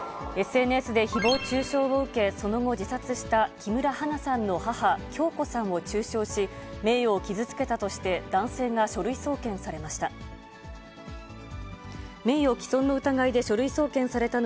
ＳＮＳでひぼう中傷を受け、その後自殺した木村花さんの母、響子さんを中傷し、名誉を傷つけたとして男性が書類送検されました。